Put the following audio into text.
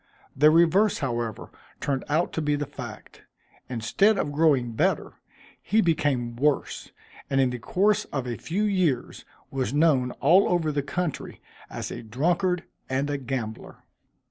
The reverse, however, turned out to be the fact. Instead of growing better, he became worse; and in the course of a few years, was known all over the country, as a drunkard and a gambler.